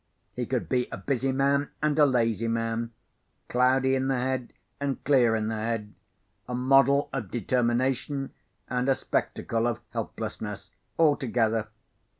He could be a busy man, and a lazy man; cloudy in the head, and clear in the head; a model of determination, and a spectacle of helplessness, all together.